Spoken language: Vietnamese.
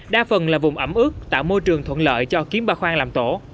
đa phần là vùng ẩm ướt tạo môi trường thuận lợi cho kiến ba khoang làm tổ